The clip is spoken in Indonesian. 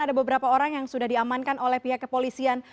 ada beberapa orang yang sudah diamankan oleh pihak kepolisian